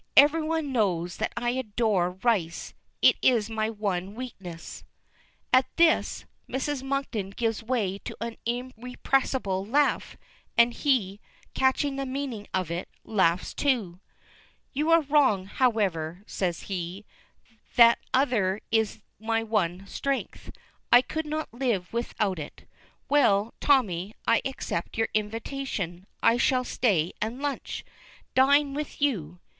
"Every one knows that I adore rice. It is my one weakness." At this, Mrs. Monkton gives way to an irrepressible laugh, and he, catching the meaning of it, laughs, too. "You are wrong, however," says he; "that other is my one strength. I could not live without it. Well, Tommy, I accept your invitation. I shall stay and lunch dine with you."